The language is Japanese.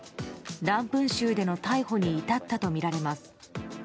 ランプン州での逮捕に至ったとみられます。